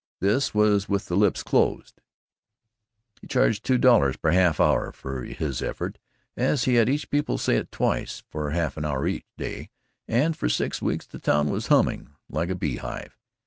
This was with the lips closed. He charged two dollars per half hour for this effort, he had each pupil try it twice for half an hour each day, and for six weeks the town was humming like a beehive.